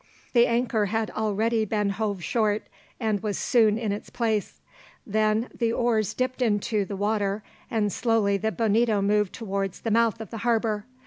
The anchor had already been hove short, and was soon in its place. Then the oars dipped into the water, and slowly the Bonito moved towards the mouth of the harbour.